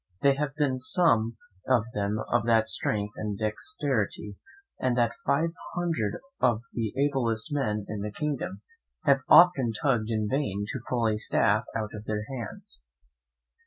There have been some of them of that strength and dexterity that five hundred of the ablest men in the kingdom have often tugged in vain to pull a staff out of their hands.